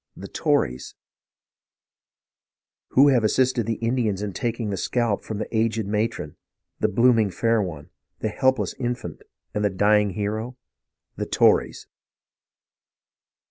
'' The Tories ! Who have assisted the Indians in taking the scalp from the aged matron, the blooming fair one, the helpless infant, and the dying hero ? The Tories